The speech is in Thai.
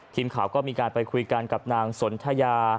ทีมข่าวก็มีการไปคุยกันกับนางสนทยา